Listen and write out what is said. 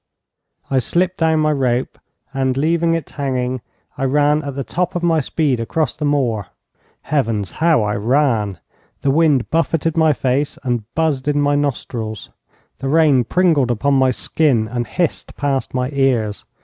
I slipped down my rope, and, leaving it hanging, I ran at the top of my speed across the moor. Heavens, how I ran! The wind buffeted my face and buzzed in my nostrils. The rain pringled upon my skin and hissed past my ears.